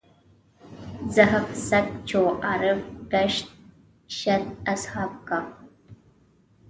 زحف سګ چو عارف ګشت شد اصحاب کهف.